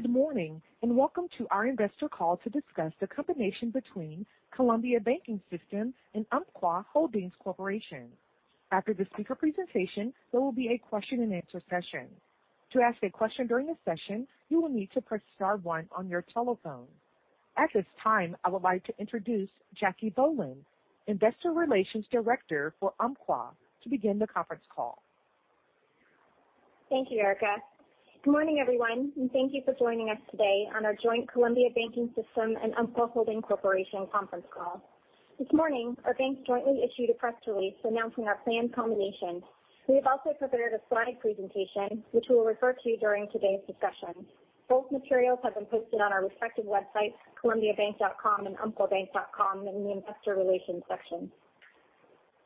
Good morning, welcome to our investor call to discuss the combination between Columbia Banking System and Umpqua Holdings Corporation. After this speaker presentation, there will be a question-and-answer session. To ask a question during the session you will need to press star one on your telephone. At this time, I would like to introduce Jacquelynne Bohlen, Investor Relations director for Umpqua, to begin the conference call. Thank you, Erica. Good morning, everyone, and thank you for joining us today on our joint Columbia Banking System and Umpqua Holdings Corporation conference call. This morning, our banks jointly issued a press release announcing our planned combination. We have also prepared a slide presentation, which we'll refer to during today's discussion. Both materials have been posted on our respective websites, columbiabank.com and umpquabank.com in the investor relations section.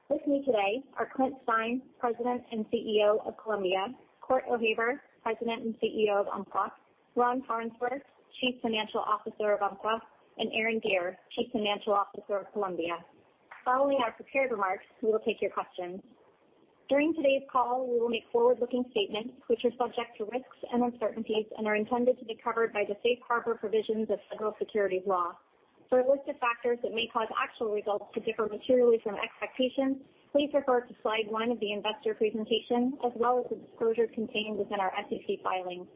With me today are Clint Stein, President and CEO of Columbia, Cort O'Haver, President and CEO of Umpqua, Ron Farnsworth, Chief Financial Officer of Umpqua, and Aaron Deer, Chief Financial Officer of Columbia. Following our prepared remarks, we will take your questions. During today's call, we will make forward-looking statements, which are subject to risks and uncertainties and are intended to be covered by the safe harbor provisions of federal securities law. For a list of factors that may cause actual results to differ materially from expectations, please refer to slide one of the investor presentation as well as the disclosure contained within our SEC filings.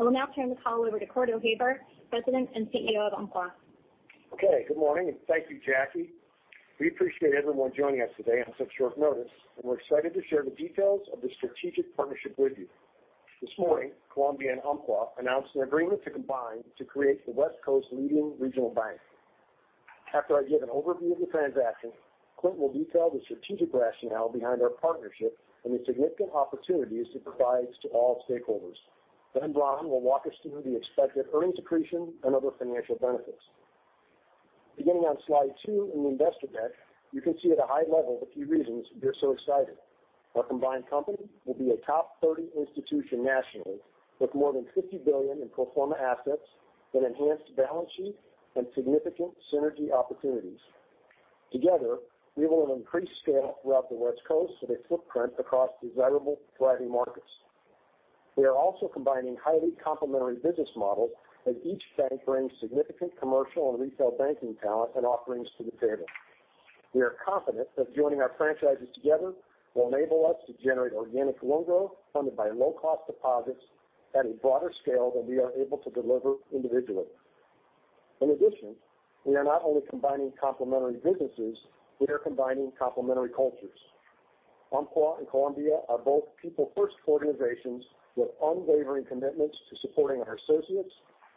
I will now turn the call over to Cort O'Haver, President and CEO of Umpqua. Okay. Good morning, and thank you, Jackie. We appreciate everyone joining us today on such short notice, and we're excited to share the details of this strategic partnership with you. This morning, Columbia and Umpqua announced an agreement to combine to create the West Coast's leading regional bank. After I give an overview of the transaction, Clint will detail the strategic rationale behind our partnership and the significant opportunities it provides to all stakeholders. Ron will walk us through the expected earnings accretion and other financial benefits. Beginning on slide two in the investor deck, you can see at a high level the few reasons we're so excited. Our combined company will be a top 30 institution nationally with more than $50 billion in pro forma assets, an enhanced balance sheet, and significant synergy opportunities. Together, we will increase scale throughout the West Coast with a footprint across desirable thriving markets. We are also combining highly complementary business models, and each bank brings significant commercial and retail banking talent and offerings to the table. We are confident that joining our franchises together will enable us to generate organic loan growth funded by low-cost deposits at a broader scale than we are able to deliver individually. In addition, we are not only combining complementary businesses, we are combining complementary cultures. Umpqua and Columbia are both people-first organizations with unwavering commitments to supporting our associates,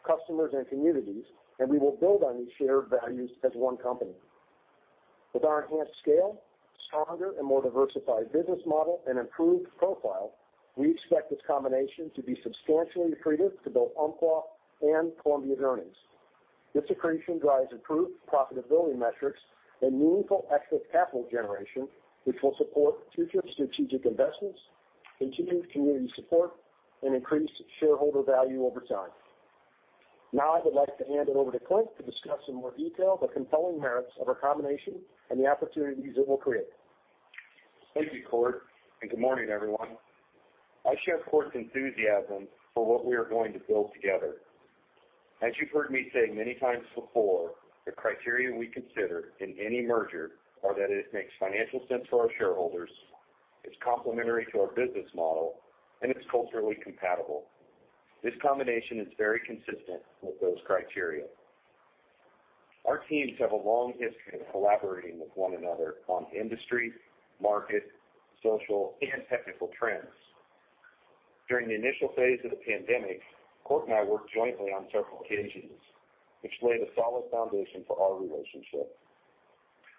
customers, and communities, and we will build on these shared values as one company. With our enhanced scale, stronger and more diversified business model, and improved profile, we expect this combination to be substantially accretive to both Umpqua and Columbia's earnings. This accretion drives improved profitability metrics and meaningful excess capital generation, which will support future strategic investments, continued community support, and increased shareholder value over time. Now, I would like to hand it over to Clint to discuss in more detail the compelling merits of our combination and the opportunities it will create. Thank you, Cort, and good morning, everyone. I share Cort's enthusiasm for what we are going to build together. As you've heard me say many times before, the criteria we consider in any merger are that it makes financial sense for our shareholders, it's complementary to our business model, and it's culturally compatible. This combination is very consistent with those criteria. Our teams have a long history of collaborating with one another on industry, market, social, and technical trends. During the initial phase of the pandemic, Cort and I worked jointly on several occasions, which laid a solid foundation for our relationship.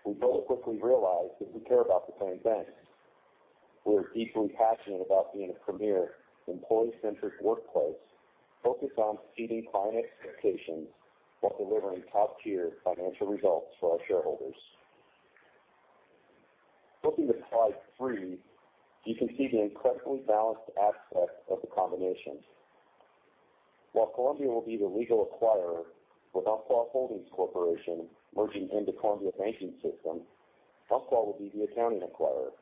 We both quickly realized that we care about the same things. We're deeply passionate about being a premier employee-centric workplace focused on exceeding client expectations while delivering top-tier financial results for our shareholders. Flipping to slide three, you can see the incredibly balanced aspects of the combination. While Columbia will be the legal acquirer with Umpqua Holdings Corporation merging into Columbia Banking System, Umpqua will be the accounting acquirer.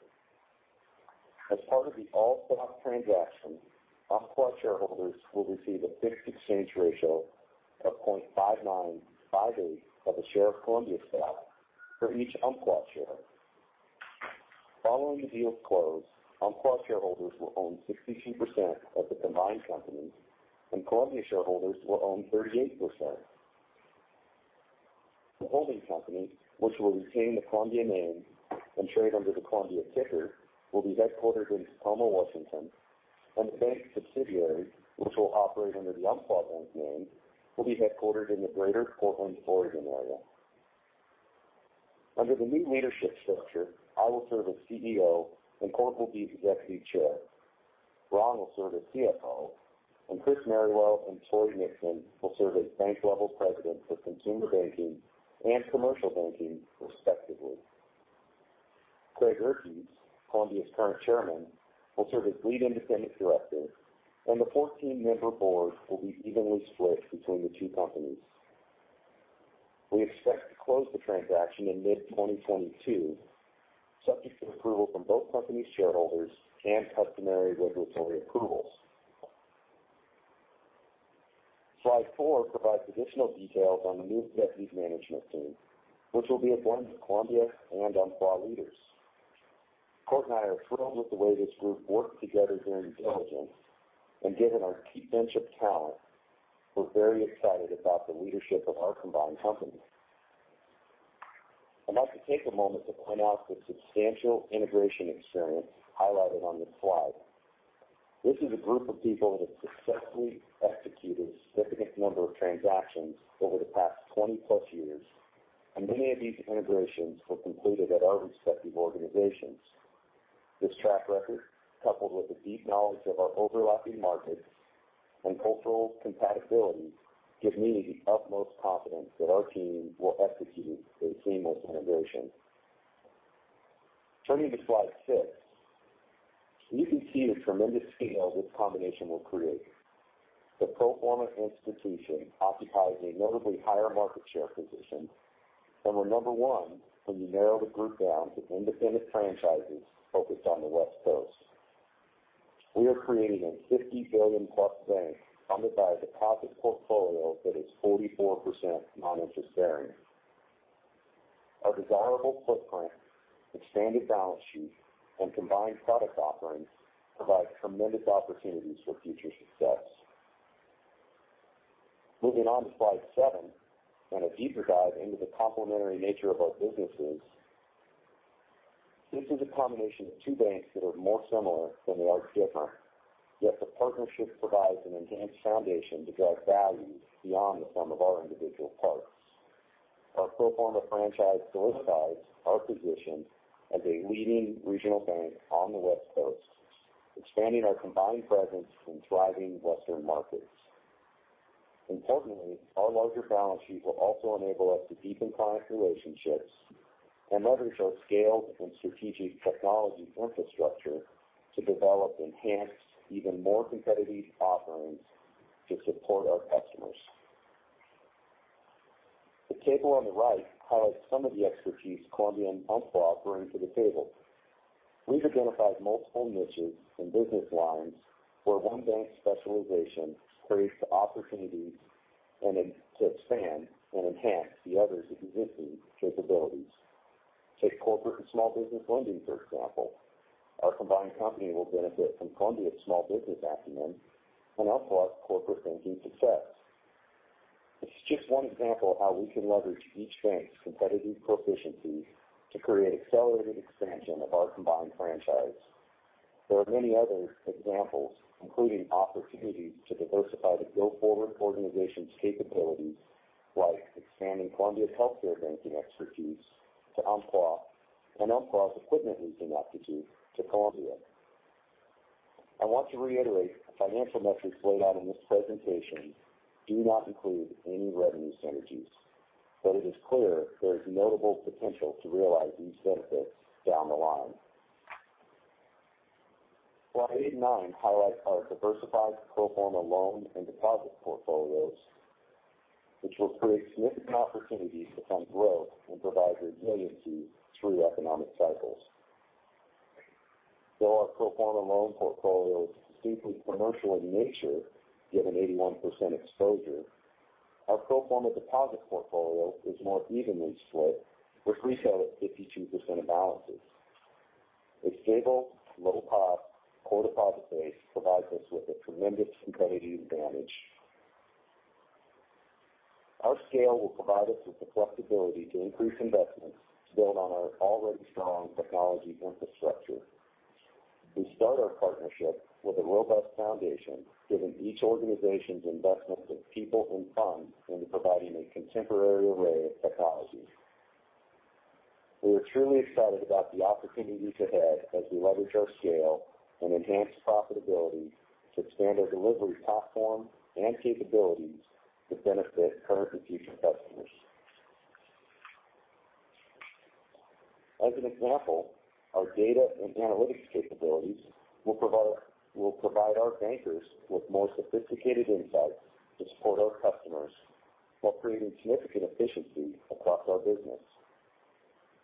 As part of the all-stock transaction, Umpqua shareholders will receive a fixed exchange ratio of 0.5958 of a share of Columbia stock for each Umpqua share. Following the deal's close, Umpqua shareholders will own 62% of the combined company, and Columbia shareholders will own 38%. The holding company, which will retain the Columbia name and trade under the Columbia ticker, will be headquartered in Tacoma, Washington, and the bank subsidiary, which will operate under the Umpqua Bank name, will be headquartered in the greater Portland, Oregon area. Under the new leadership structure, I will serve as CEO, and Cort will be the Deputy Chair. Ron will serve as CFO, and Chris Merrywell and Tory Nixon will serve as bank-level presidents for consumer banking and commercial banking respectively. Craig Eerkes, Columbia's current chairman, will serve as lead independent director, and the 14-member board will be evenly split between the two companies. We expect to close the transaction in mid-2022, subject to approval from both companies' shareholders and customary regulatory approvals. Slide four provides additional details on the new executive management team, which will be a blend of Columbia and Umpqua leaders. Cort and I are thrilled with the way this group worked together during diligence. Given our deep bench of talent, we're very excited about the leadership of our combined company. I'd like to take a moment to point out the substantial integration experience highlighted on this slide. This is a group of people that have successfully executed a significant number of transactions over the past 20-plus years. Many of these integrations were completed at our respective organizations. This track record, coupled with a deep knowledge of our overlapping markets and cultural compatibility, give me the utmost confidence that our team will execute a seamless integration. Turning to slide six, you can see the tremendous scale this combination will create. The pro forma institution occupies a notably higher market share position, and we're number one when you narrow the group down to independent franchises focused on the West Coast. We are creating a $50 billion-plus bank underpinned by a deposit portfolio that is 44% non-interest-bearing. Our desirable footprint, expanded balance sheet, and combined product offerings provide tremendous opportunities for future success. Moving on to slide seven and a deeper dive into the complementary nature of our businesses. This is a combination of two banks that are more similar than they are different. Yet the partnership provides an enhanced foundation to drive value beyond the sum of our individual parts. Our pro forma franchise solidifies our position as a leading regional bank on the West Coast, expanding our combined presence in thriving western markets. Our larger balance sheet will also enable us to deepen client relationships and leverage our scale and strategic technology infrastructure to develop enhanced, even more competitive offerings to support our customers. The table on the right highlights some of the expertise Columbia and Umpqua bring to the table. We've identified multiple niches and business lines where one bank's specialization creates opportunities to expand and enhance the other's existing capabilities. Take corporate and small business lending, for example. Our combined company will benefit from Columbia's small business acumen and Umpqua's corporate banking success. This is just one example of how we can leverage each bank's competitive proficiency to create accelerated expansion of our combined franchise. There are many other examples, including opportunities to diversify the go-forward organization's capabilities, like expanding Columbia's healthcare banking expertise to Umpqua and Umpqua's equipment leasing aptitude to Columbia. I want to reiterate the financial metrics laid out in this presentation do not include any revenue synergies, but it is clear there is notable potential to realize these benefits down the line. Slide eight and nine highlight our diversified pro forma loan and deposit portfolios, which will create significant opportunities to fund growth and provide resiliency through economic cycles. Though our pro forma loan portfolio is distinctly commercial in nature, given 81% exposure, our pro forma deposit portfolio is more evenly split, with retail at 52% of balances. A stable, low cost, core deposit base provides us with a tremendous competitive advantage. Our scale will provide us with the flexibility to increase investments to build on our already strong technology infrastructure. We start our partnership with a robust foundation, given each organization's investments of people and funds into providing a contemporary array of technologies. We are truly excited about the opportunities ahead as we leverage our scale and enhance profitability to expand our delivery platform and capabilities to benefit current and future customers. As an example, our data and analytics capabilities will provide our bankers with more sophisticated insights to support our customers while creating significant efficiency across our business.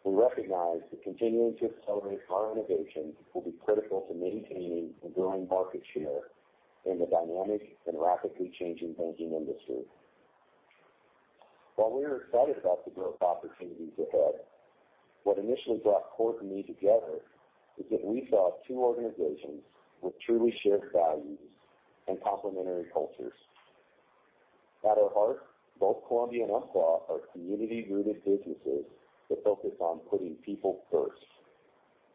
We recognize that continuing to accelerate our innovation will be critical to maintaining and growing market share in the dynamic and rapidly changing banking industry. While we are excited about the growth opportunities ahead, what initially brought Cort and me together is that we saw two organizations with truly shared values and complementary cultures. At our heart, both Columbia and Umpqua are community-rooted businesses that focus on putting people first.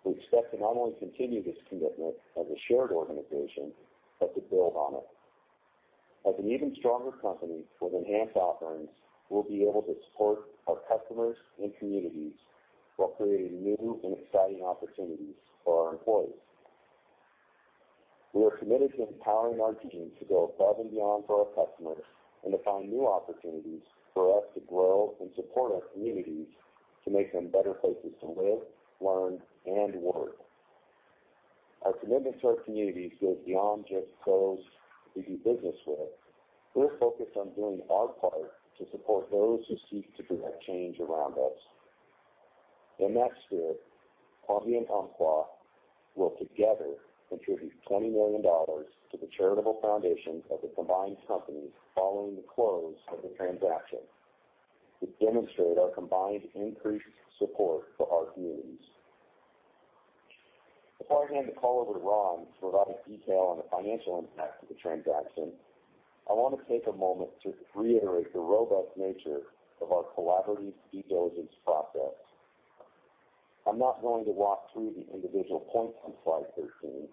We expect to not only continue this commitment as a shared organization, but to build on it. As an even stronger company with enhanced offerings, we'll be able to support our customers and communities while creating new and exciting opportunities for our employees. We are committed to empowering our teams to go above and beyond for our customers and to find new opportunities for us to grow and support our communities to make them better places to live, learn, and work. Our commitment to our community goes beyond just those we do business with. We're focused on doing our part to support those who seek to prevent change around us. In that spirit, Columbia and Umpqua will together contribute $20 million to the charitable foundations of the combined companies following the close of the transaction to demonstrate our combined increased support for our communities. Before I hand the call over to Ron to provide detail on the financial impact of the transaction, I want to take a moment to reiterate the robust nature of our collaborative due diligence process. I'm not going to walk through the individual points on slide 13.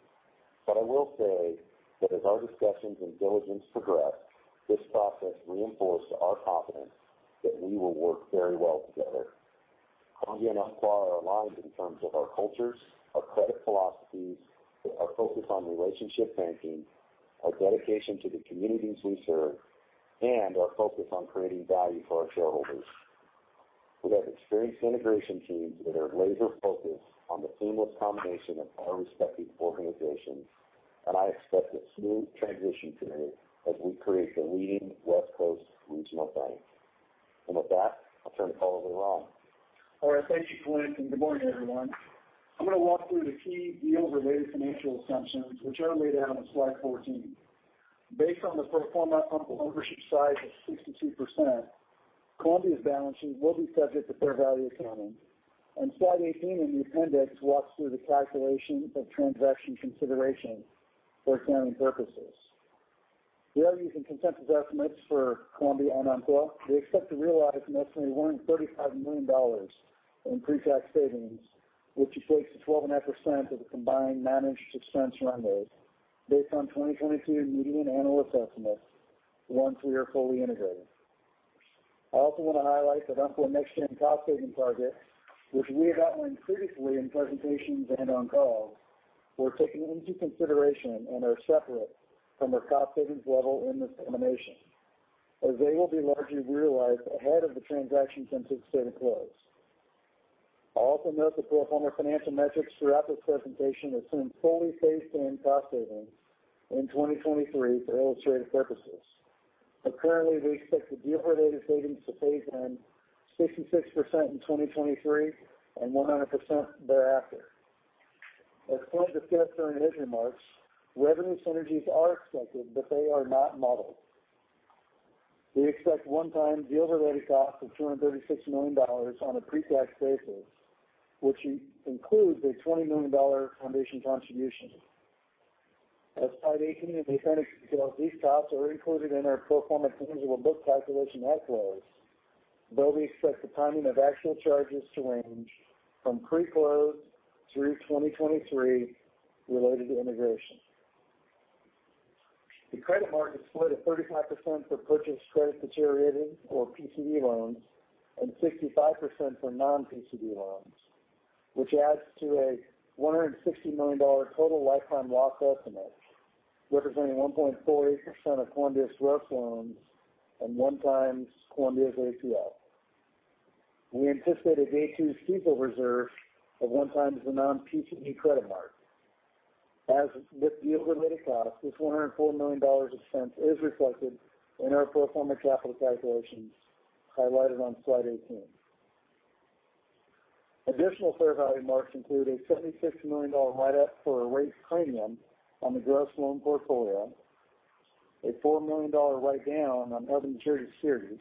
I will say that as our discussions and diligence progressed, this process reinforced our confidence that we will work very well together. Columbia and Umpqua are aligned in terms of our cultures, our credit philosophies, our focus on relationship banking, our dedication to the communities we serve, and our focus on creating value for our shareholders. We have experienced integration teams that are laser-focused on the seamless combination of our respective organizations, and I expect a smooth transition to make as we create the leading West Coast regional bank. With that, I'll turn the call over to Ron. All right. Thank you, Clint, and good morning, everyone. I'm going to walk through the key deal-related financial assumptions, which are laid out on slide 14. Based on the pro forma Umpqua ownership size of 62%, Columbia's balance sheet will be subject to fair value accounting. Slide 18 in the appendix walks through the calculation of transaction consideration for accounting purposes. We are using consensus estimates for Columbia and Umpqua. We expect to realize an estimated $135 million in pre-tax savings, which equates to 12.5% of the combined non-interest expense run rate based on 2023 median analyst estimates once we are fully integrated. I also want to highlight that Umpqua Next Gen cost-saving targets, which we have outlined previously in presentations and on calls, were taken into consideration and are separate from our cost savings level in this combination, as they will be largely realized ahead of the transaction's anticipated close. I'll also note the pro forma financial metrics throughout this presentation assume fully phased-in cost savings in 2023 for illustrative purposes. Currently, we expect the deal-related savings to phase in 66% in 2023 and 100% thereafter. As Clint discussed during his remarks, revenue synergies are expected, but they are not modeled. We expect one-time deal-related costs of $236 million on a pre-tax basis, which includes a $20 million foundation contribution. As slide 18 in the appendix details, these costs are included in our pro forma tangible book calculation at close, though we expect the timing of actual charges to range from pre-close through 2023 related to integration. The credit mark is split at 35% for purchased credit deteriorating or PCD loans and 65% for non-PCD loans, which adds to a $160 million total lifetime loss estimate, representing 1.48% of Columbia's gross loans and one times Columbia's ACL. We anticipate a day two CECL reserve of one times the non-PCD credit mark. As with deal-related costs, this $104 million expense is reflected in our pro forma capital calculations highlighted on slide 18. Additional fair value marks include a $76 million write-up for a rate premium on the gross loan portfolio, a $4 million write-down on held-to-maturity securities,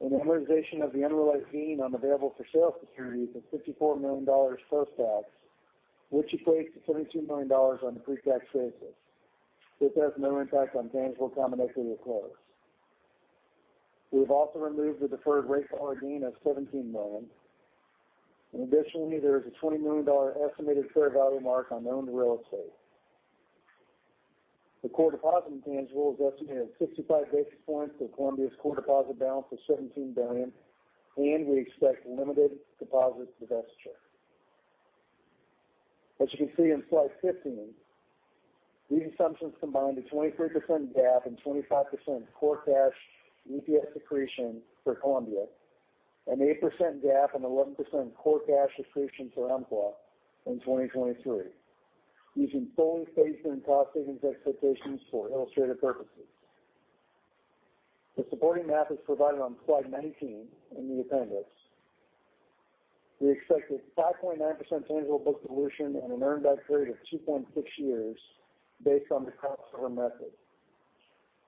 an amortization of the unrealized gain on available for sale securities of $54 million post-tax, which equates to $72 million on a pre-tax basis. This has no impact on tangible common equity at close. We have also removed the deferred rate lock gain of $17 million. Additionally, there is a $20 million estimated fair value mark on owned real estate. The core deposit intangibles estimate a 65 basis points of Columbia's core deposit balance of $17 billion, and we expect limited deposit divestiture. As you can see on slide 15, these assumptions combine a 23% GAAP and 25% core cash EPS accretion for Columbia and 8% GAAP and 11% core cash accretion for Umpqua in 2023, using fully phased-in cost savings expectations for illustrative purposes. The supporting math is provided on slide 19 in the appendix. We expect a 5.9% tangible book dilution and an earn-back period of 2.6 years based on the cost to earn method.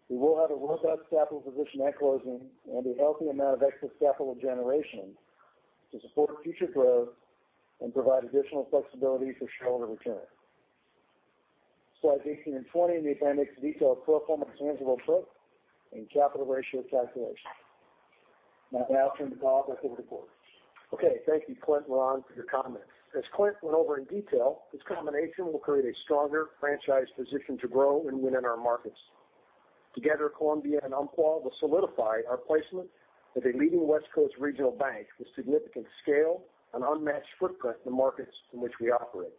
We will have a robust capital position at closing and a healthy amount of excess capital generation to support future growth and provide additional flexibility for shareholder return. Slides 18 and 20 in the appendix detail pro forma tangible book and capital ratio calculations. Now I'll turn the call back over to Cort. Okay, thank you, Clint and Ron, for your comments. As Clint went over in detail, this combination will create a stronger franchise position to grow and win in our markets. Together, Columbia and Umpqua will solidify our placement as a leading West Coast regional bank with significant scale and unmatched footprint in the markets in which we operate.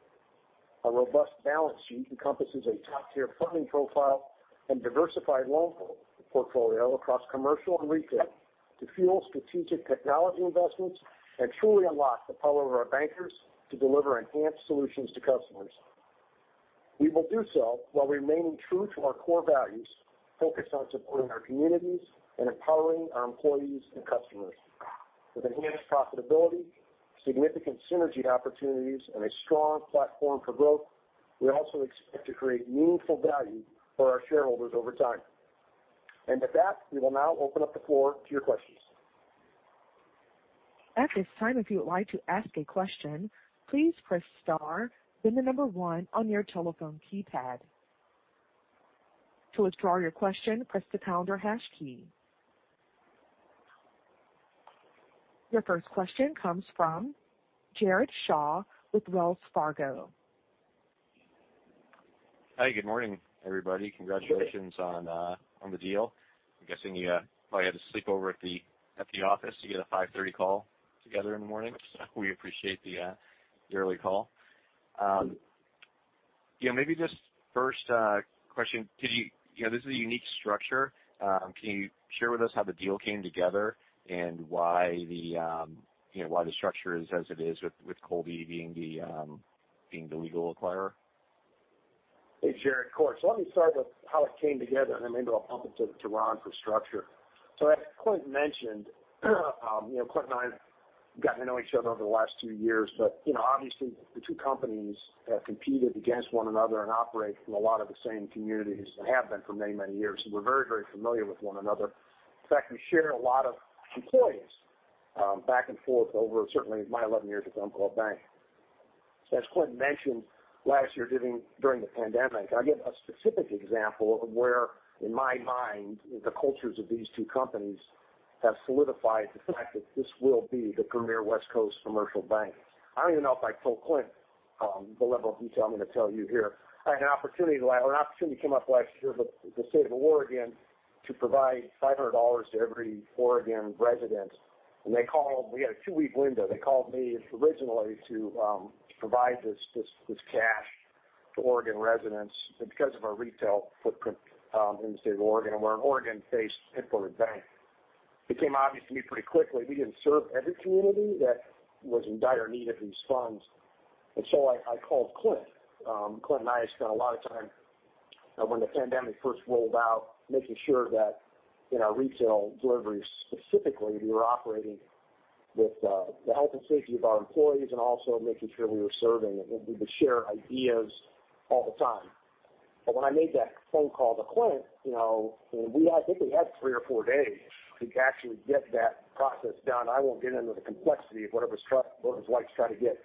Our robust balance sheet encompasses a top-tier funding profile and diversified loan portfolio across commercial and retail to fuel strategic technology investments and truly unlock the power of our bankers to deliver enhanced solutions to customers. We will do so while remaining true to our core values, focused on supporting our communities and empowering our employees and customers. With enhanced profitability, significant synergy opportunities, and a strong platform for growth, we also expect to create meaningful value for our shareholders over time. With that, we will now open up the floor to your questions. Your first question comes from Jared Shaw with Wells Fargo. Hi, good morning, everybody. Congratulations on the deal. I'm guessing you probably had to sleep over at the office to get a 5:30 A.M. call together in the morning. We appreciate the early call. Maybe just first question, this is a unique structure. Can you share with us how the deal came together and why the structure is as it is with Columbia being the legal acquirer? Hey, Jared. Of course. Let me start with how it came together, and maybe I'll bump it to Ron for structure. As Clint mentioned, Clint and I have gotten to know each other over the last two years. Obviously, the two companies have competed against one another and operate from a lot of the same communities and have been for many years. We're very familiar with one another. In fact, we share a lot of employees back and forth over certainly my 11 years at Umpqua Bank. As Clint mentioned last year during the pandemic, I'll give a specific example of where, in my mind, the cultures of these two companies have solidified the fact that this will be the premier West Coast commercial bank. I don't even know if I told Clint the level of detail I'm going to tell you here. An opportunity came up last year with the state of Oregon to provide $500 to every Oregon resident. We had a two-week window. They called me originally to provide this cash to Oregon residents because of our retail footprint in the state of Oregon. We're an Oregon-based employer bank. It became obvious to me pretty quickly we didn't serve every community that was in dire need of these funds. I called Clint. Clint and I spent a lot of time when the pandemic first rolled out, making sure that in our retail delivery specifically, we were operating with the health and safety of our employees and also making sure we were serving, and we would share ideas all the time. I made that phone call to Clint, I think we had three or four days to actually get that process done. I won't get into the complexity of what it was like trying to get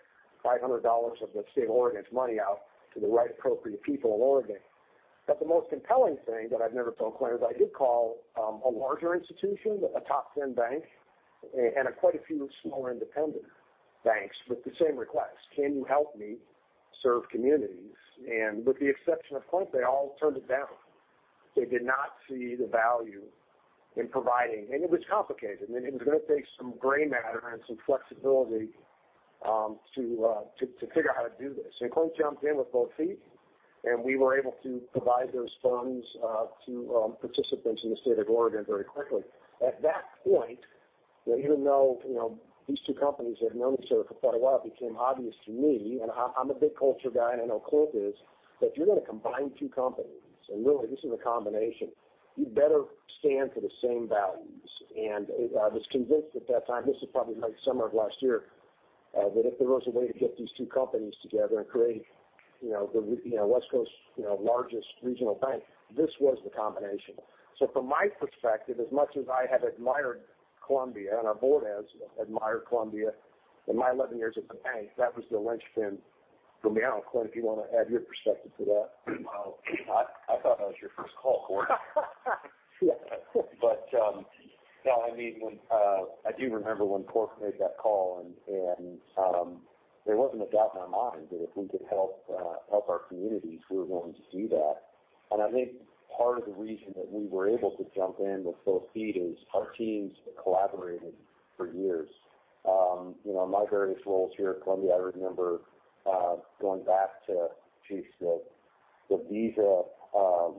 $500 of the state of Oregon's money out to the right appropriate people in Oregon. The most compelling thing that I've never told Clint is I did call a larger institution, a top 10 bank, and quite a few smaller independent banks with the same request. "Can you help me serve communities?" With the exception of Clint, they all turned it down. They did not see the value in providing. It was complicated, and it was going to take some gray matter and some flexibility to figure out how to do this. Clint jumped in with both feet, and we were able to provide those funds to participants in the state of Oregon very quickly. At that point, even though these two companies have known each other for quite a while, it became obvious to me, and I'm a big culture guy, and I know Clint is, that if you're going to combine two companies, and really this is a combination, you better stand for the same values. I was convinced at that time, this was probably late summer of last year, that if there was a way to get these two companies together and create the West Coast's largest regional bank, this was the combination. From my perspective, as much as I have admired Columbia, and our board has admired Columbia in my 11 years at the bank, that was the linchpin for me. I don't know, Clint, if you want to add your perspective to that. I thought that was your first call, Cort. No, I do remember when Cort made that call, and there wasn't a doubt in my mind that if we could help our communities, we were going to do that. I think part of the reason that we were able to jump in with both feet is our teams have collaborated for years. In my various roles here at Columbia, I remember going back to the Visa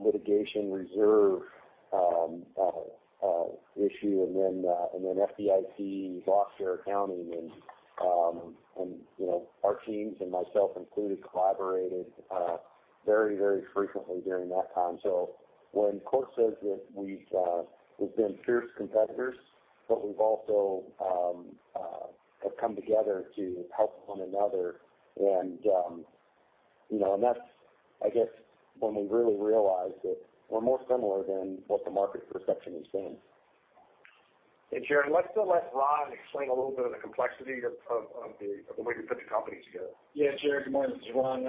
litigation reserve issue and then FDIC loss-share accounting, and our teams, and myself included, collaborated very frequently during that time. When Cort says that we've been fierce competitors, but we've also have come together to help one another, and that's, I guess, when we really realized that we're more similar than what the market perception has been. Hey, Jared, let's let Ron explain a little bit of the complexity of the way we put the company together. Yeah, Jared, good morning. This is Ron.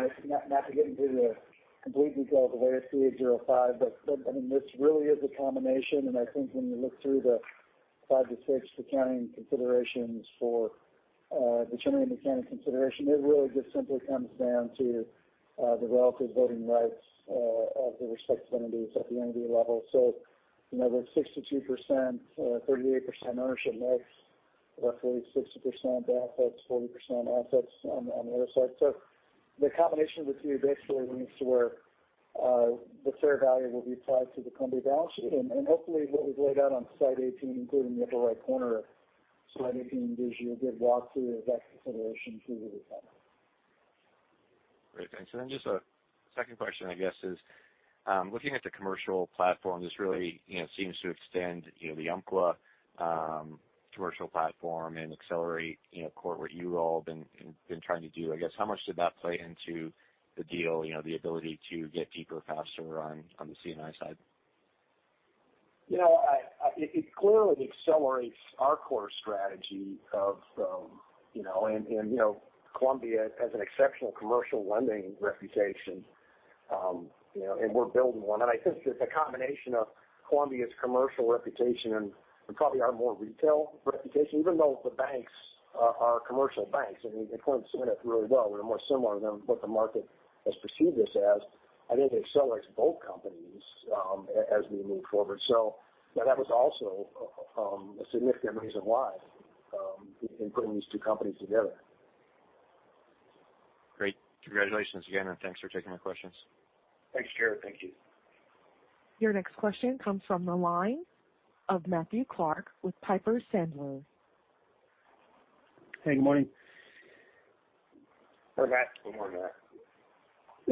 Not to get into the complete detail of the way it's ASC 805, but this really is a combination. I think when you look through the five to six accounting considerations for determining the accounting consideration, it really just simply comes down to the relative voting rights of the respective entities at the entity level. The 62%, 38% ownership mix Roughly 60% benefits, 40% assets on the other side. The combination of the two basically leads to where the fair value will be applied to the Columbia balance sheet. Hopefully what we've laid out on slide 18, including in the upper right corner of slide 18, gives you a good walkthrough of that consideration through to the- Great, thanks. Just a second question, I guess is, looking at the commercial platform, this really seems to extend the Umpqua commercial platform and accelerate, Cort, what you all have been trying to do. I guess, how much did that play into the deal, the ability to get deeper faster on the C&I side? It clearly accelerates our core strategy. Columbia has an exceptional commercial lending reputation, and we're building one. I think that the combination of Columbia's commercial reputation and probably our more retail reputation, even though the banks are commercial banks, I mean, they've done C&I really well. We're more similar than what the market has perceived us as. I think it accelerates both companies as we move forward. That was also a significant reason why in putting these two companies together. Great. Congratulations again, and thanks for taking our questions. Thanks, Jared. Thank you. Your next question comes from the line of Matthew Clark with Piper Sandler. Hey, good morning. Hey, Matt. Good morning,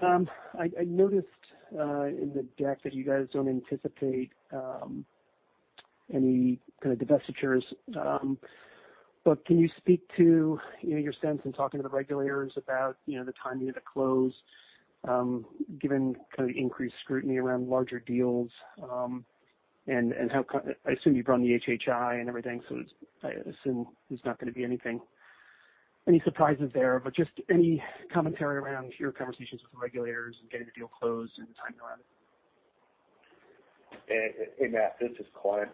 Matt. I noticed in the deck that you guys don't anticipate any kind of divestitures. Can you speak to your sense in talking to the regulators about the timing of the close, given kind of increased scrutiny around larger deals. I assume you've run the HHI and everything, so I assume there's not going to be any surprises there. Just any commentary around your conversations with the regulators and getting the deal closed and the timing around it. Hey, Matt, this is Clint.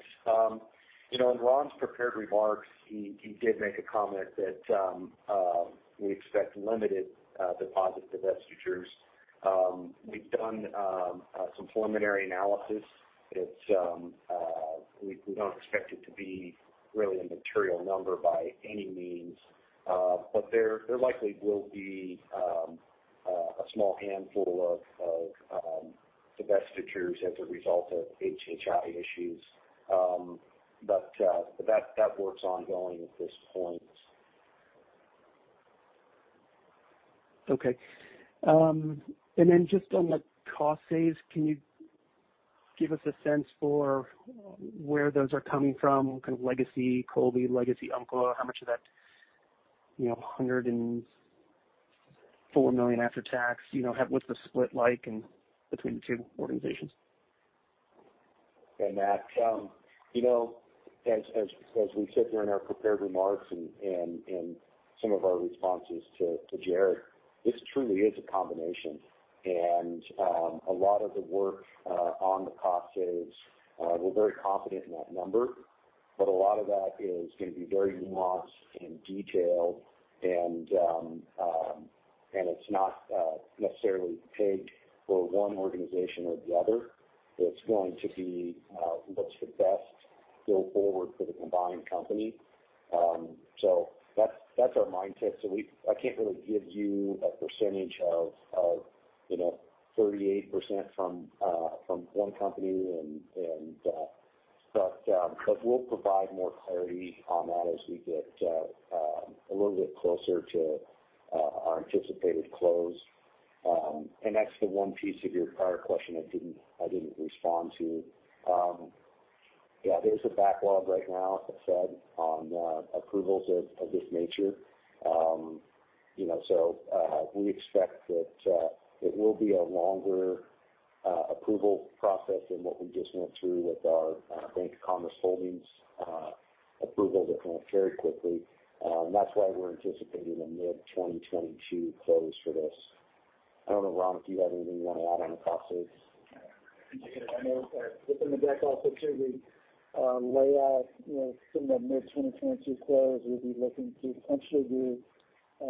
In Ron's prepared remarks, he did make a comment that we expect limited deposit divestitures. We've done some preliminary analysis. We don't expect it to be really a material number by any means. There likely will be a small handful of divestitures as a result of HHI issues. That work's ongoing at this point. Okay. Just on the cost saves, can you give us a sense for where those are coming from? Kind of legacy Columbia, legacy Umpqua. How much of that $104 million after tax, what's the split like between the two organizations? Hey, Matt. As we said during our prepared remarks and some of our responses to Jared, this truly is a combination. A lot of the work on the cost saves, we're very confident in that number. A lot of that is going to be very nuanced and detailed. It's not necessarily take for 1 organization or the other. It's going to be what's the best go forward for the combined company. That's our mindset. I can't really give you a percentage of 38% from 1 company, but we'll provide more clarity on that as we get a little bit closer to our anticipated close. That's the 1 piece of your prior question I didn't respond to. Yeah, there's a backlog right now, as I said, on approvals of this nature. We expect that it will be a longer approval process than what we just went through with our Bank of Commerce Holdings approval that went very quickly. That's why we're anticipating a mid-2022 close for this. I don't know, Ron, if you have anything you want to add on the cost saves? I know it's in the deck also too. We lay out some of the mid-2022 close. We'll be looking to potentially do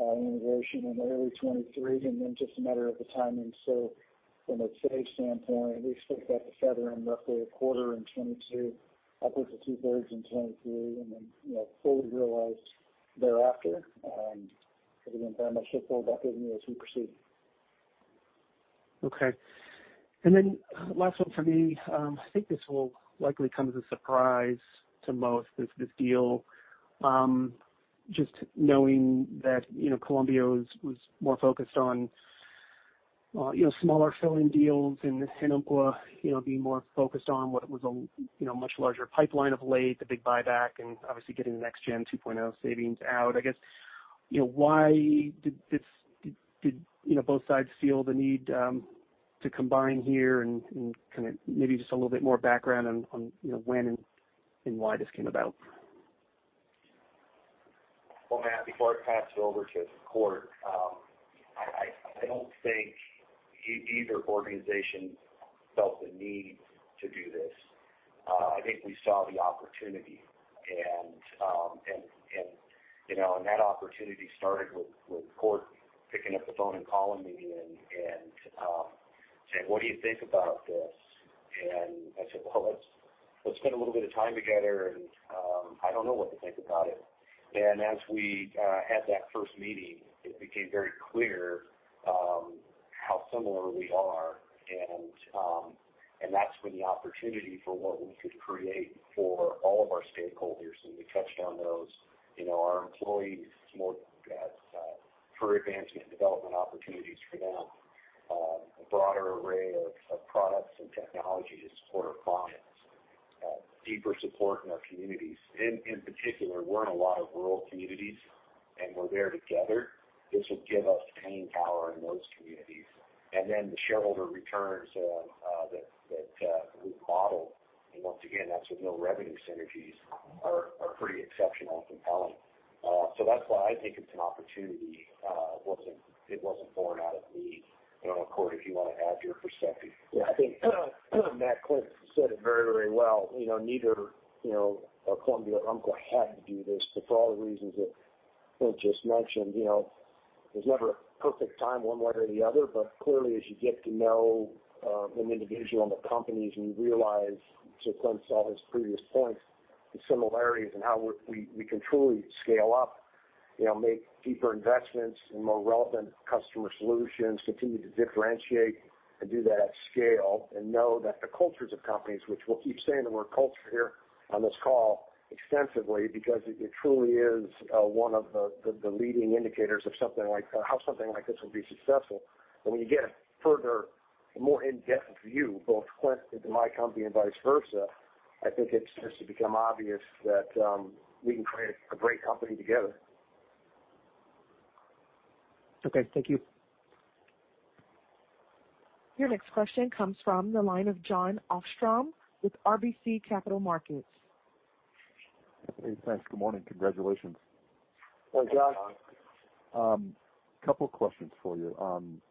an integration in early 2023, and then just a matter of the timing. From a save standpoint, we expect that to feather in roughly a quarter in 2022, upwards of two-thirds in 2023, and then fully realized thereafter. Again, that might shift a little bit as we proceed. Okay. Last one for me. I think this will likely come as a surprise to most, this deal. Just knowing that Columbia was more focused on smaller filling deals and Umpqua being more focused on what was a much larger pipeline of late, the big buyback and obviously getting the Next Gen 2.0 savings out. I guess, why did both sides feel the need to combine here? Maybe just a little bit more background on when and why this came about. Well, Matt, before I pass it over to Cort, I don't think either organization felt the need to do this. That opportunity started with Cort picking up the phone and calling me and saying, "What do you think about this?" I said, "Well, let's spend a little bit of time together, and I don't know what to think about it." As we had that first meeting, it became very clear how similar we are and that's when the opportunity for what we could create for all of our stakeholders, and we touched on those. Our employees, more career advancement and development opportunities for them. A broader array of products and technologies to support our clients. Deeper support in our communities. In particular, we're in a lot of rural communities, and we're there together. This will give us staying power in those communities. The shareholder returns that we've modeled, and once again, that's with no revenue synergies, are pretty exceptional and compelling. That's why I think it's an opportunity. I don't know, Cort, if you want to add your perspective. I think that Clint said it very well. Neither Columbia or Umpqua had to do this for all the reasons that Clint just mentioned. There's never a perfect time one way or the other, but clearly, as you get to know an individual and the companies, and you realize, to Clint Stein's previous points, the similarities in how we can truly scale up. Make deeper investments and more relevant customer solutions, continue to differentiate and do that at scale, and know that the cultures of companies, which we'll keep saying the word culture here on this call extensively because it truly is one of the leading indicators of how something like this will be successful. When you get a further, more in-depth view, both Clint into my company and vice versa, I think it's just become obvious that we can create a great company together. Okay, thank you. Your next question comes from the line of Jon Arfstrom with RBC Capital Markets. Hey, thanks. Good morning. Congratulations. Hey, Jon. Hey, Jon. Couple questions for you. On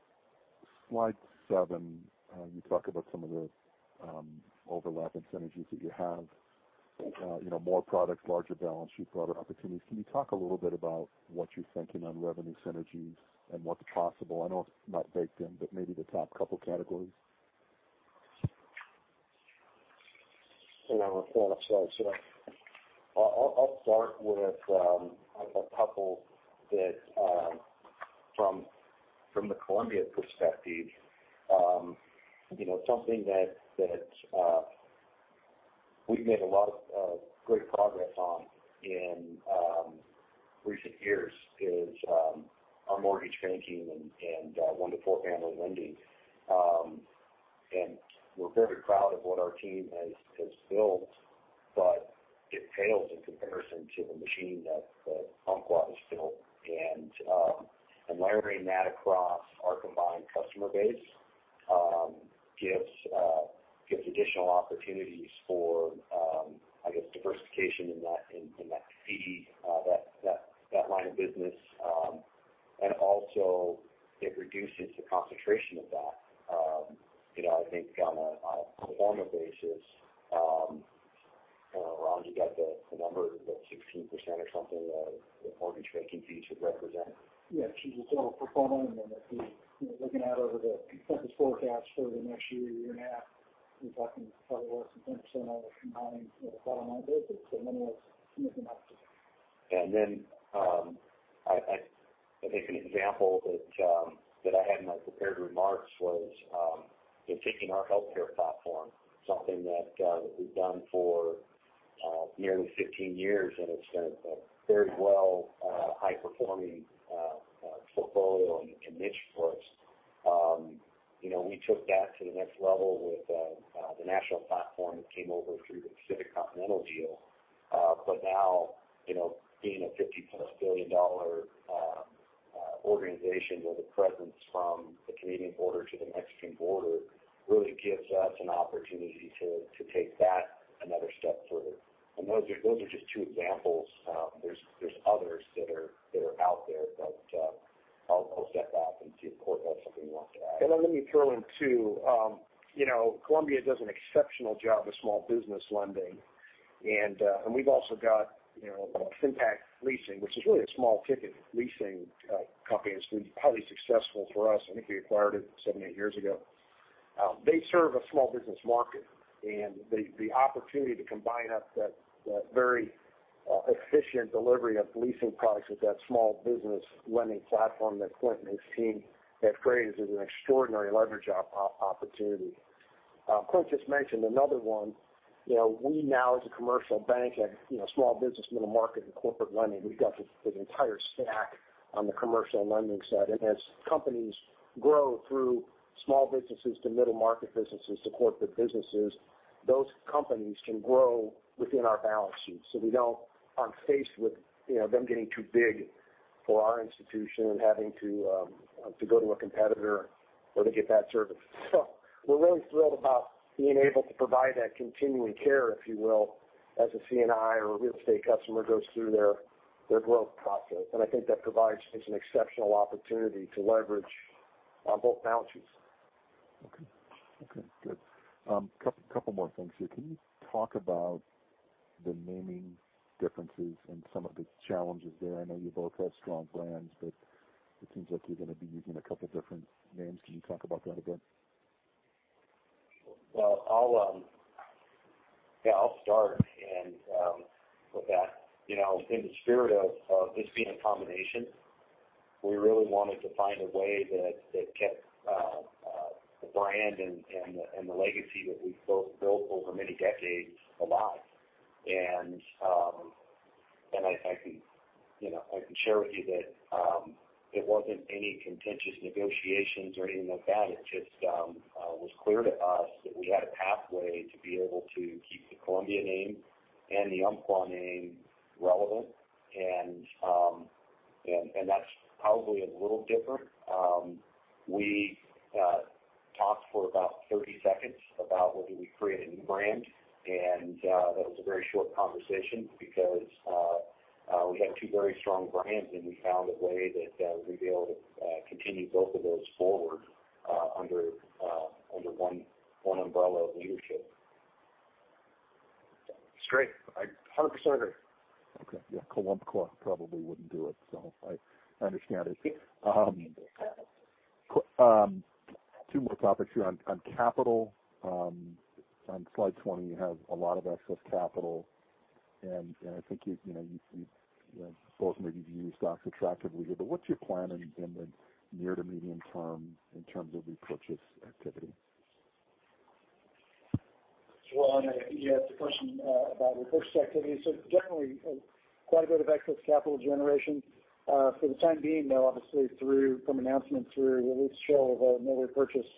slide seven, you talk about some of the overlapping synergies that you have. More products, larger balance sheet, broader opportunities. Can you talk a little bit about what you're thinking on revenue synergies and what's possible? I know it's not baked in, but maybe the top couple categories. Hold on one second. Sorry. I'll start with a couple that from the Columbia perspective. Something that we've made a lot of great progress on in recent years is our mortgage banking and one-to-four family lending. We're very proud of what our team has built, but it pales in comparison to the machine that Umpqua has built. Layering that across our combined customer base gives additional opportunities for diversification in that fee, that line of business. Also it reduces the concentration of that. I think on a pro forma basis, Ron, do you got the number, the 16% or something that mortgage banking fees should represent? Yeah, it's a total pro forma, and then if you're looking out over the consensus forecast for the next year and a half, we're talking probably less than 10% on a combined pro forma basis. Anyways, it's an opportunity. I think an example that I had in my prepared remarks was taking our healthcare platform, something that we've done for nearly 15 years, and it's been a very well high-performing portfolio and niche for us. We took that to the next level with the national platform that came over through the Pacific Continental deal. Now being a $50+ billion organization with a presence from the Canadian border to the Mexican border really gives us an opportunity to take that another step further. Those are just two examples. There's others that are out there, but I'll step back and see if Cort has something he wants to add. Then let me throw in, too. Columbia does an exceptional job with small business lending. We've also got FinPac Leasing, which is really a small ticket leasing company. It's been highly successful for us. I think we acquired it seven, eight years ago. They serve a small business market. The opportunity to combine up that very efficient delivery of leasing products with that small business lending platform that Clint and his team have created is an extraordinary leverage opportunity. Clint just mentioned another 1. We now as a commercial bank have small business, middle market, and corporate lending. We've got the entire stack on the commercial lending side. As companies grow through small businesses to middle market businesses to corporate businesses, those companies can grow within our balance sheets. We aren't faced with them getting too big for our institution and having to go to a competitor where they get that service. We're really thrilled about being able to provide that continuing care, if you will, as a C&I or a real estate customer goes through their growth process. I think that provides just an exceptional opportunity to leverage on both balance sheets. Okay, good. Couple more things here. Can you talk about the naming differences and some of the challenges there? I know you both have strong brands, but it seems like you're going to be using a couple different names. Can you talk about that a bit? Well, I'll start with that. In the spirit of this being a combination, we really wanted to find a way that kept the brand and the legacy that we've both built over many decades alive. I can share with you that it wasn't any contentious negotiations or anything like that. It just was clear to us that we had a pathway to be able to keep the Columbia name and the Umpqua name relevant. That's probably a little different. We talked for about 30 seconds about whether we create a new brand. That was a very short conversation because we have two very strong brands, and we found a way that we'd be able to continue both of those forward under one umbrella of leadership. It's great. I 100% agree. Okay. Yeah. Columbqua probably wouldn't do it, so I understand it. Two more topics here. On capital, on slide 20, you have a lot of excess capital. I think you both maybe view stocks attractively here, but what's your plan in the near to medium term in terms of repurchase activity? Jon, you asked a question about repurchase activity. Generally, quite a bit of excess capital generation. For the time being, though, obviously from announcement through release show of another repurchase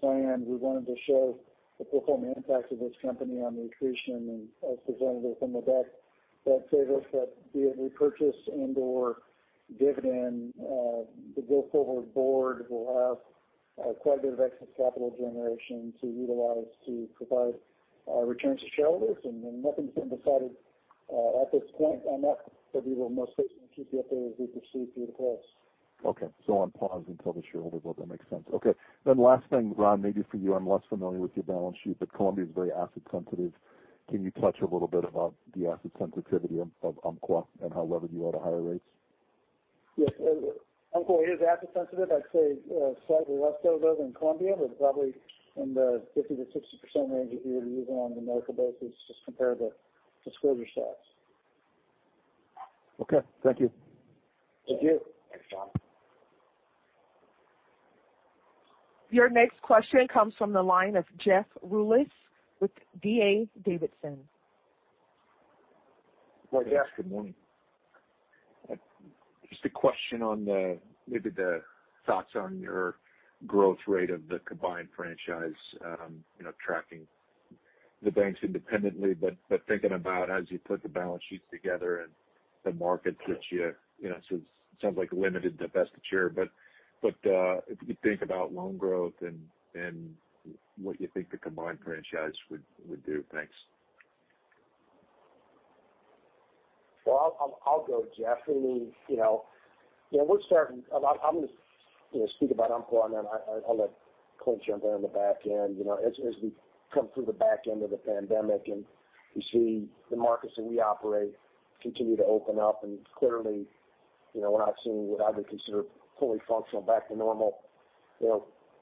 plan, we wanted to show the full-time impact of this company on accretion and as presented within the deck, that favors that be it repurchase and/or dividend. The go-forward board will have quite a bit of excess capital generation to utilize to provide returns to shareholders. Nothing's been decided at this point on that, but we will most certainly keep you updated as we proceed through the process. On pause until the shareholder vote. That makes sense. Last thing, Ron, maybe for you. I'm less familiar with your balance sheet, but Columbia's very asset sensitive. Can you touch a little bit about the asset sensitivity of Umpqua and how levered you are to higher rates? Yes. Umpqua is asset sensitive. I'd say slightly less so than Columbia, but probably in the 50%-60% range if you were to use it on an identical basis, just compare the call report stats. Okay. Thank you. Thank you. Thanks, Ron. Your next question comes from the line of Jeff Rulis with D.A. Davidson. Good morning. Jeff, good morning. Just a question on maybe the thoughts on your growth rate of the combined franchise. I'm tracking the banks independently, but thinking about as you put the balance sheets together and the markets that it sounds like a limited divestiture, but if you think about loan growth and what you think the combined franchise would do. Thanks. Well, I'll go, Jeff. I'm going to speak about Umpqua, then I'll let Clint jump in on the back end. As we come through the back end of the pandemic and we see the markets that we operate continue to open up, clearly, we're not seeing what I would consider fully functional back to normal.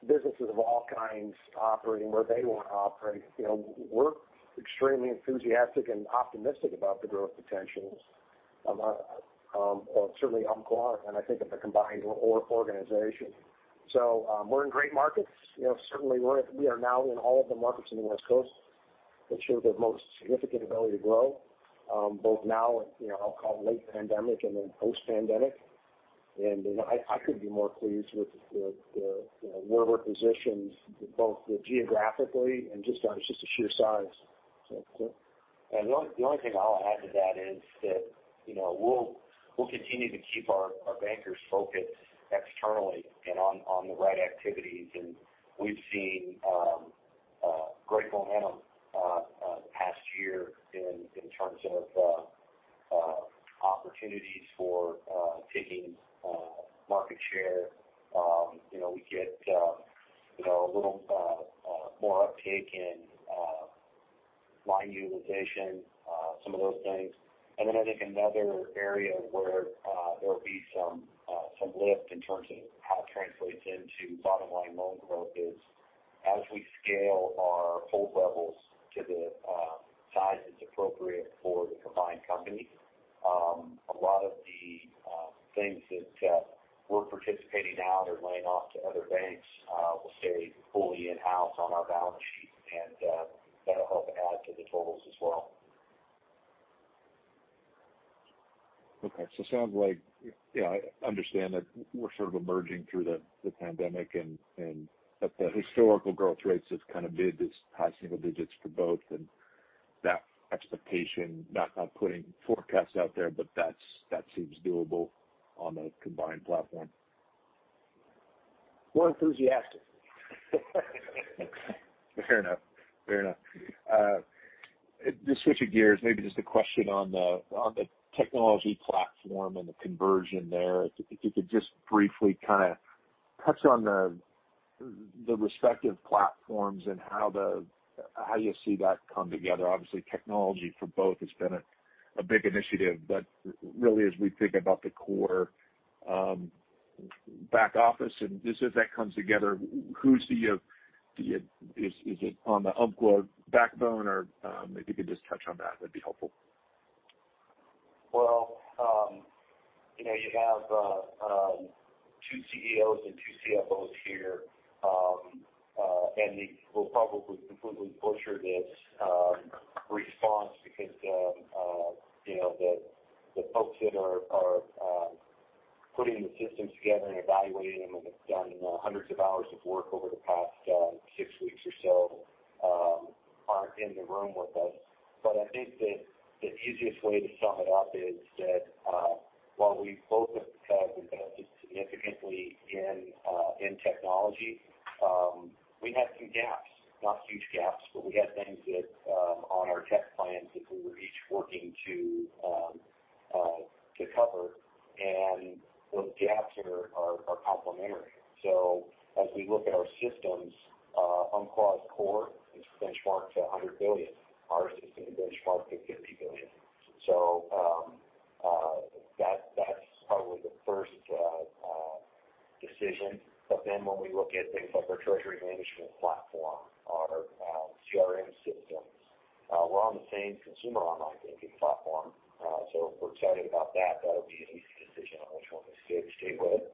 Businesses of all kinds operating where they want to operate. We're extremely enthusiastic and optimistic about the growth potentials. Well, certainly Umpqua are, and I think of the combined organization. We're in great markets. Certainly, we are now in all of the markets in the West Coast that show the most significant ability to grow. Both now and I'll call it late pandemic and then post-pandemic. I couldn't be more pleased with where we're positioned, both geographically and just on the sheer size. Clint. The only thing I'll add to that is that we'll continue to keep our bankers focused externally and on the right activities. We've seen great momentum the past year in terms of opportunities for taking market share. We get a little more uptake in line utilization, some of those things. Then I think another area where there'll be some lift in terms of how it translates into bottom-line loan growth is as we scale our hold levels to the size that's appropriate for the combined company. A lot of the things that we're participating now they're laying off to other banks will stay fully in-house on our balance sheet, and that'll help add to the totals as well. Okay. It sounds like, I understand that we're sort of emerging through the pandemic and that the historical growth rates have kind of been this high single digits for both. That expectation, not putting forecasts out there, but that seems doable on a combined platform. We're enthusiastic. Fair enough. Switching gears, maybe a question on the technology platform and the conversion there. If you could briefly touch on the respective platforms and how you see that come together. Technology for both has been a big initiative, but really as we think about the core back office and as that comes together, is it on the Umpqua backbone? If you could touch on that'd be helpful. You have two CEOs and two CFOs here, and we'll probably completely butcher this response because the folks that are putting the systems together and evaluating them and have done hundreds of hours of work over the past six weeks or so aren't in the room with us. I think that the easiest way to sum it up is that while we both have invested significantly in technology, we had some gaps. Not huge gaps, but we had things that on our tech plans that we were each working to cover, and those gaps are complementary. As we look at our systems, Umpqua's core is benchmarked to 100 billion. Our system is benchmarked to 50 billion. That's probably the first decision. When we look at things like our treasury management platform, our CRM systems, we're on the same consumer online banking platform. We're excited about that. That'll be an easy decision on which one to stay with.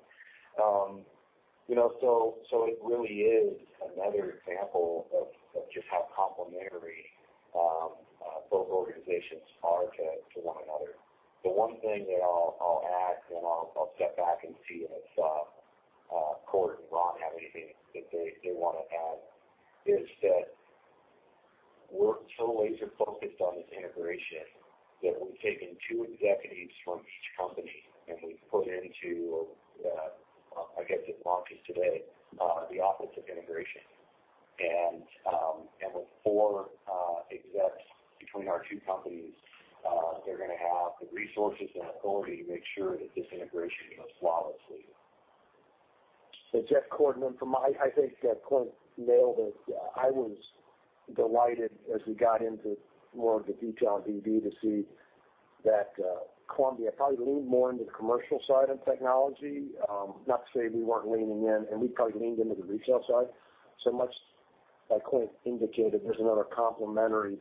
It really is another example of just how complementary both organizations are to one another. The one thing that I'll add, then I'll step back and see if Cort and Ron have anything that they want to add, is that we're so laser focused on this integration that we've taken two executives from each company, and we've put into, I guess it launches today, the Office of Integration. With four execs between our two companies, they're going to have the resources and authority to make sure that this integration goes flawlessly. Jeff, Cort, and then I think Clint nailed it. I was delighted as we got into more of the detail in DD to see that Columbia probably leaned more into the commercial side of technology. Not to say we weren't leaning in, and we probably leaned into the retail side so much. Like Clint indicated, there's another complementary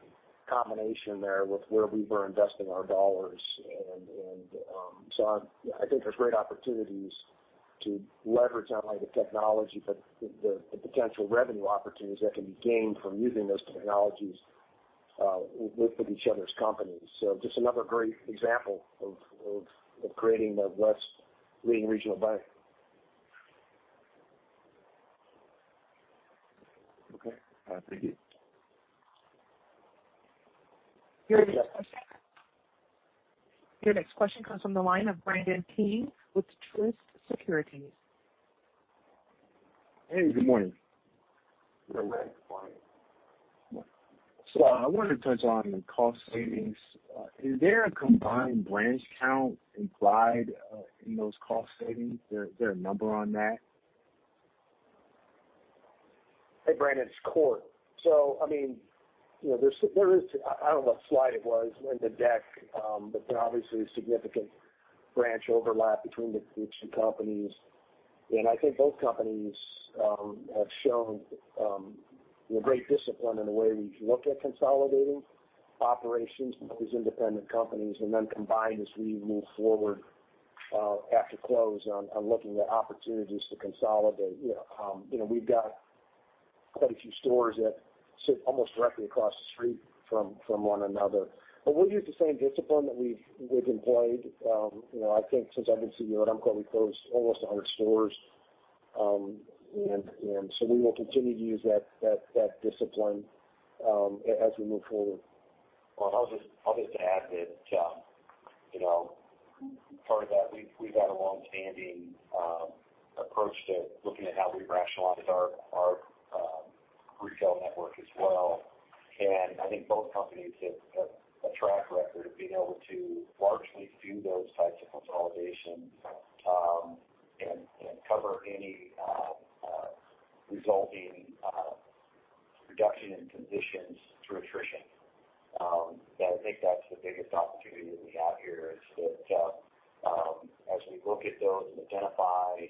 combination there with where we were investing our dollars. I think there's great opportunities to leverage not only the technology, but the potential revenue opportunities that can be gained from using those technologies within each other's companies. Just another great example of creating the West's leading regional bank. Okay. Thank you. Your next question comes from the line of Brandon King with Truist Securities. Hey, good morning. Good morning. I wanted to touch on cost savings. Is there a combined branch count implied in those cost savings? Is there a number on that? Hey, Brandon King, it's Cort. I don't know what slide it was in the deck, but there's obviously a significant branch overlap between the two companies. I think both companies have shown great discipline in the way we look at consolidating operations as independent companies and then combined as we move forward after close on looking at opportunities to consolidate. We've got quite a few stores that sit almost directly across the street from one another. We'll use the same discipline that we've employed. I think since I've been CEO at Umpqua, we've closed almost 100 stores. We will continue to use that discipline as we move forward. Well, I'll just add that, part of that, we've had a longstanding approach to looking at how we rationalize our retail network as well. I think both companies have a track record of being able to largely do those types of consolidations and cover any resulting reduction in positions through attrition. I think that's the biggest opportunity that we have here, is that as we look at those and identify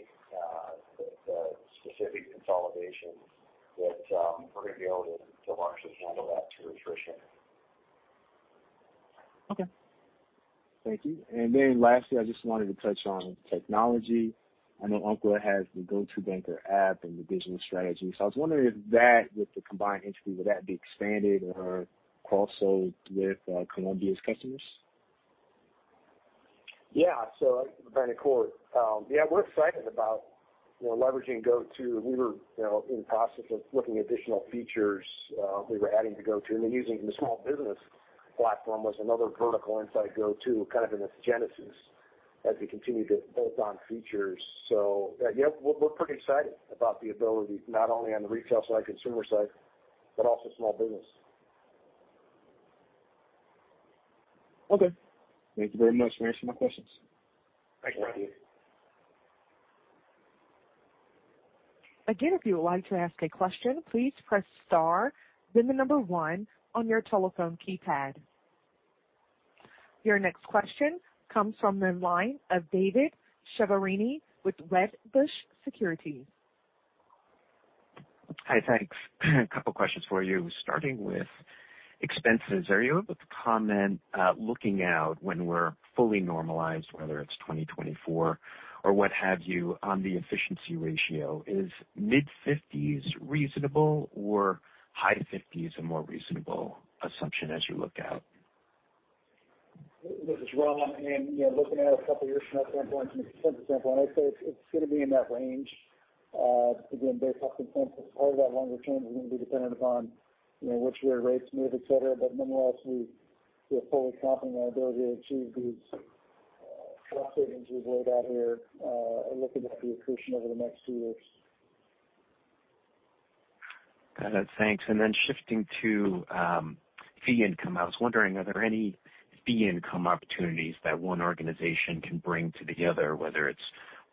the specific consolidations, that we're going to be able to largely handle that through attrition. Okay. Thank you. Lastly, I just wanted to touch on technology. I know Umpqua has the Go-To Banker app and the digital strategy. I was wondering if that, with the combined entity, would that be expanded or cross-sold with Columbia's customers? Yeah, Brandon, Cort, we're excited about leveraging Go-To. We were in the process of looking at additional features we were adding to Go-To, and then using the small business platform was another vertical inside Go-To, kind of in its genesis. As we continue to bolt on features. Yes, we're pretty excited about the ability, not only on the retail side, consumer side, but also small business. Okay. Thank you very much for answering my questions. Thank you. Again, if you would like to ask a question, please press star then the number one on your telephone keypad. Your next question comes from the line of David Chiaverini with Wedbush Securities. Hi. Thanks. A couple questions for you, starting with expenses. Are you able to comment, looking out, when we're fully normalized, whether it's 2024 or what have you, on the efficiency ratio? Is mid-50s reasonable or high 50s a more reasonable assumption as you look out? This is Ron. Looking at a couple of years from that standpoint, from an expense standpoint, I'd say it's going to be in that range. Again, based off the expenses, part of that longer term is going to be dependent upon which way rates move, et cetera. Nonetheless, we feel fully confident in our ability to achieve these cost savings we've laid out here and looking at the accretion over the next few years. Got it. Thanks. Shifting to fee income, I was wondering, are there any fee income opportunities that one organization can bring to the other, whether it's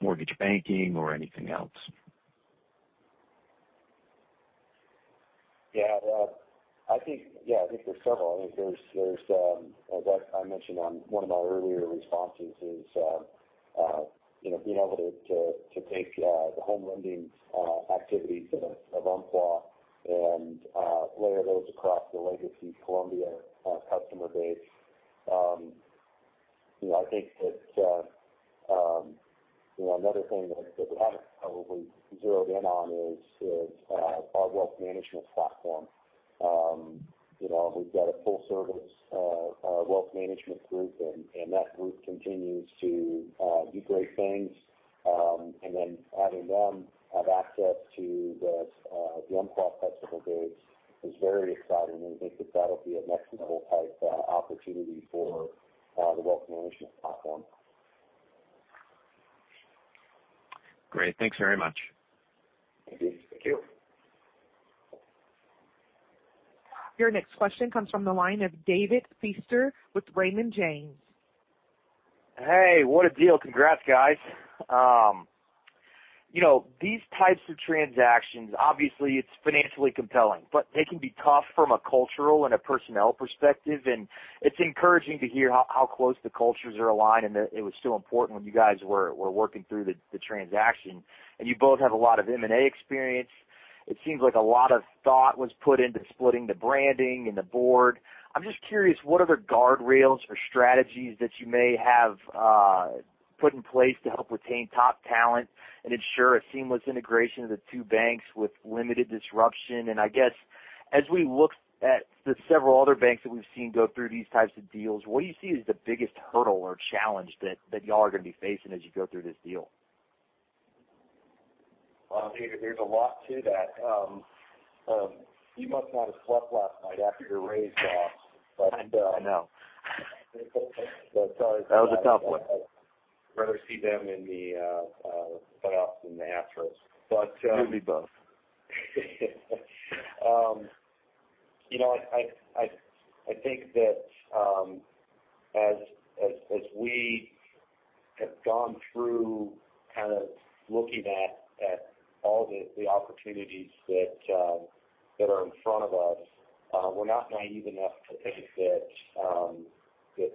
mortgage banking or anything else? Yeah. David, I think there's several. As I mentioned on one of my earlier responses is being able to take the home lending activities of Umpqua and layer those across the legacy Columbia customer base. I think that another thing that we haven't probably zeroed in on is our wealth management platform. We've got a full service wealth management group, and that group continues to do great things. Then having them have access to the Umpqua customer base is very exciting, and I think that that'll be a next level type opportunity for the wealth management platform. Great. Thanks very much. Thank you. Thank you. Your next question comes from the line of David Feaster with Raymond James. Hey. What a deal. Congrats, guys. These types of transactions, obviously, it's financially compelling, but they can be tough from a cultural and a personnel perspective. It's encouraging to hear how close the cultures are aligned and that it was still important when you guys were working through the transaction. You both have a lot of M&A experience. It seems like a lot of thought was put into splitting the branding and the board. I'm just curious, what are the guardrails or strategies that you may have put in place to help retain top talent and ensure a seamless integration of the two banks with limited disruption? I guess, as we look at the several other banks that we've seen go through these types of deals, what do you see as the biggest hurdle or challenge that y'all are going to be facing as you go through this deal? Well, David, there's a lot to that. You must not have slept last night after your Rays lost. I know. Sorry. That was a tough one. I'd rather see them in the playoffs than the Astros. Me both. I think that as we have gone through kind of looking at all the opportunities that are in front of us, we're not naive enough to think that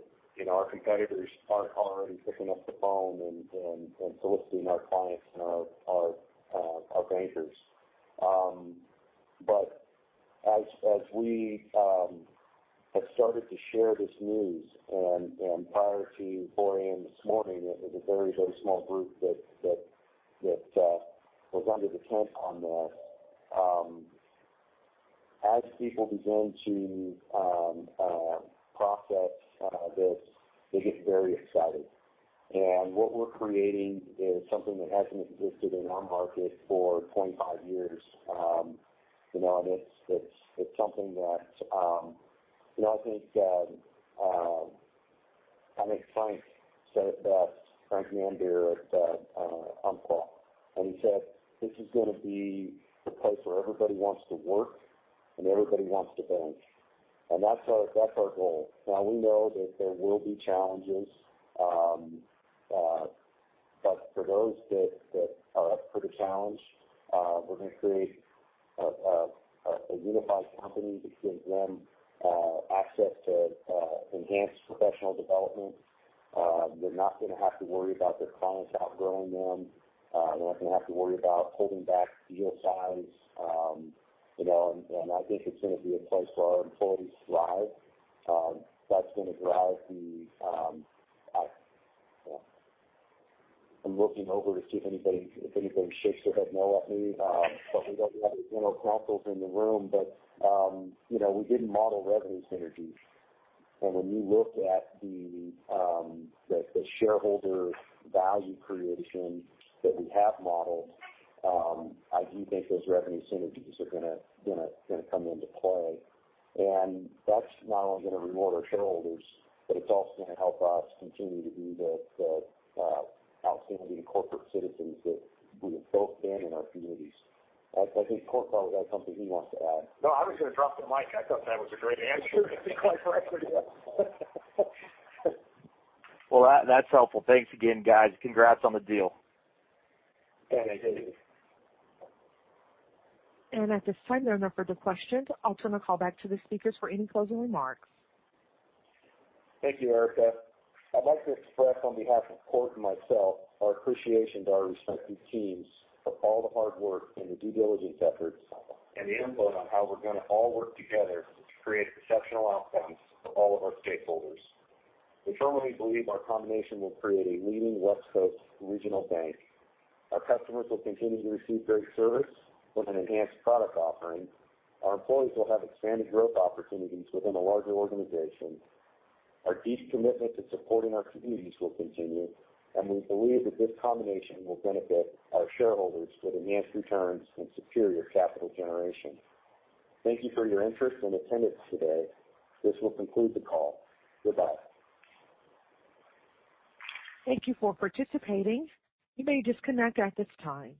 our competitors aren't already picking up the phone and soliciting our clients and our bankers. As we have started to share this news and prior to 4:00 A.M. this morning, it was a very small group that was under the tent on this. As people begin to process this, they get very excited. What we're creating is something that hasn't existed in our market for 25 years. It's something that I think Frank said it best, Frank Namdar at Umpqua. He said, "This is going to be the place where everybody wants to work and everybody wants to bank." That's our goal. Now, we know that there will be challenges. For those that are up for the challenge, we're going to create a unified company that gives them access to enhanced professional development. They're not going to have to worry about their clients outgrowing them. They're not going to have to worry about holding back deal size. I think it's going to be a place where our employees thrive. That's going to drive. I'm looking over to see if anybody shakes their head no at me. We don't have any general counsel in the room, but we didn't model revenue synergies. When you look at the shareholder value creation that we have modeled, I do think those revenue synergies are going to come into play. That's not only going to reward our shareholders, but it's also going to help us continue to be the outstanding corporate citizens that we have both been in our communities. I think Cort probably got something he wants to add. No, I was going to drop the mic. I thought that was a great answer. Well, that's helpful. Thanks again, guys. Congrats on the deal. Thanks, David. At this time, there are no further questions. I'll turn the call back to the speakers for any closing remarks. Thank you, Erica. I'd like to express, on behalf of Cort and myself, our appreciation to our respective teams for all the hard work and the due diligence efforts and the input on how we're going to all work together to create exceptional outcomes for all of our stakeholders. We firmly believe our combination will create a leading West Coast regional bank. Our customers will continue to receive great service with an enhanced product offering. Our employees will have expanded growth opportunities within a larger organization. Our deep commitment to supporting our communities will continue, and we believe that this combination will benefit our shareholders with enhanced returns and superior capital generation. Thank you for your interest and attendance today. This will conclude the call. Goodbye. Thank you for participating. You may disconnect at this time.